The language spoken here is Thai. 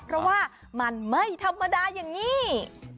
เพราะว่ามันไม่ธรรมดาอย่างนี้